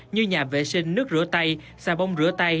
như nhà vệ sinh nước rửa tay xà bông rửa tay